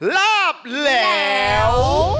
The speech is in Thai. ลาบแล้ว